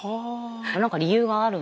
何か理由があるんですか？